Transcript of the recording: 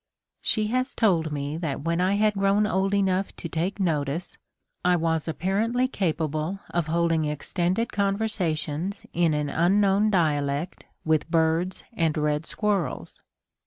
She has told me that when I had grown old enough to take notice, I was apparently capable of holding extended conversations in an unknown dialect with birds and red squirrels.